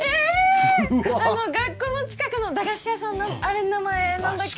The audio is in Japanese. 学校の近くの駄菓子屋さんのあれの名前何だっけ？